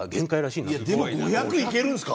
いやでも５００いけるんですか？